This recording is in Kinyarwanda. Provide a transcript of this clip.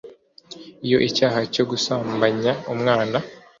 iyo icyaha cyo gusambanya umwana